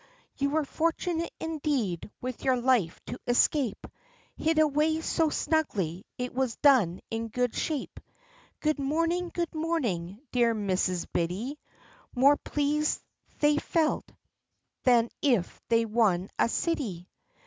You were fortunate indeed, with your life to escape ; Hid away so snugly, it was done in good shape. Good morning, good morning, dear Mrs. Biddy." More pleased they felt than if they'd won a city.